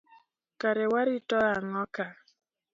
Kare warito nago ka.